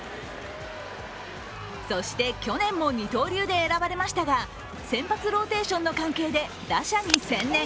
そして去年も二刀流出選ばれましたが先発ローテーションの関係で打者に専念。